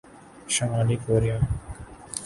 شمالی کوریا